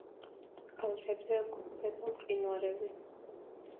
კალთებზე გვხვდება მყინვარები.